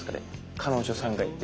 彼女さんがいて。